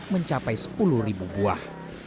mencapai sepuluh buah